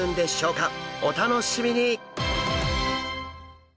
お楽しみに！